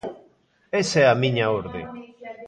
Esa é a miña orde.